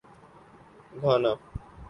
Ghana